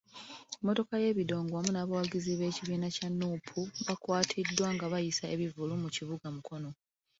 Emmotoka y'ebidongo wamu n'abawagizi b'ekibiina kya Nuupu baakwatibwa nga bayisa ebivvulu mu kibuga Mukono.